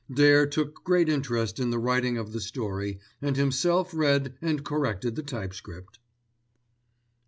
Dare took great interest in the writing of the story, and himself read and corrected the typescript.